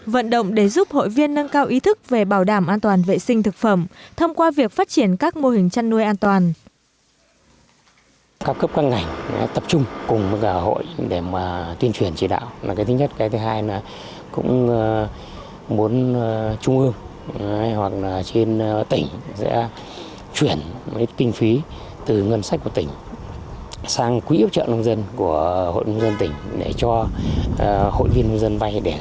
vận động để giúp hội viên nâng cao ý thức về bảo đảm an toàn vệ sinh thực phẩm thông qua việc phát triển các mô hình chăn nuôi an toàn